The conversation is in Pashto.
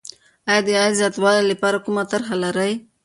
آیا د عاید د زیاتوالي لپاره کومه طرحه لرې؟